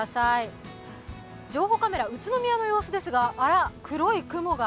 情報カメラ、宇都宮の様子ですが黒い雲が。